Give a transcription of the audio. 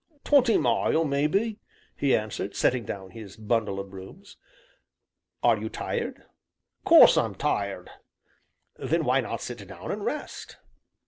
"Twenty mile, maybe," he answered, setting down his bundle of brooms. "Are you tired?" "'Course I'm tired." "Then why not sit down and rest?"